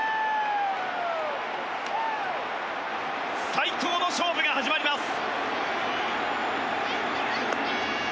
最高の勝負が始まります。